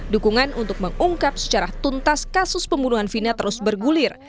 dukungan untuk mengungkap secara tuntas kasus pembunuhan vina terus bergulir